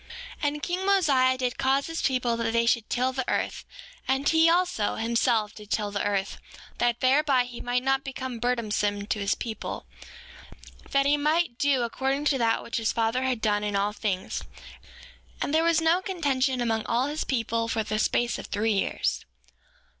6:7 And king Mosiah did cause his people that they should till the earth. And he also, himself, did till the earth, that thereby he might not become burdensome to his people, that he might do according to that which his father had done in all things. And there was no contention among all his people for the space of three years.